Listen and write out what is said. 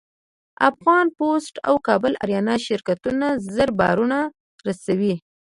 افغان پسټ او کابل اریانا شرکتونه زر بارونه رسوي.